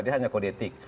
dia hanya kode etik